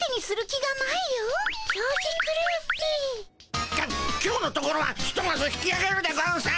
きょ今日のところはひとまず引きあげるでゴンス！